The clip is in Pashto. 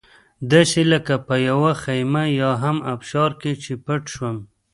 داسې لکه په یوه خېمه یا هم ابشار کې چې پټ شم.